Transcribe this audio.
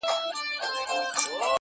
• موږ اولاد د مبارک یو موږ سیدان یو -